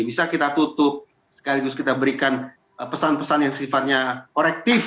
bisa kita tutup sekaligus kita berikan pesan pesan yang sifatnya korektif